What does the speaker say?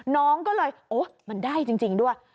น้องก็เลยโอ๊ยมันได้จริงด้วย